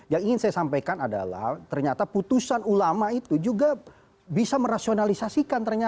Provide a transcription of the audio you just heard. yang ingin saya sampaikan adalah ternyata putusan ulama itu juga bisa merasionalisasikan